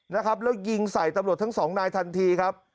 แล้วยิงใส่ตำรวจทั้ง๒นายทันทีครับ